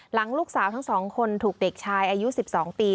หลังลูกสาวทั้ง๒คนถูกเด็กชายอายุ๑๒ปี